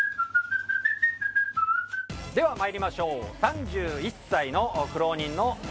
では参りましょう。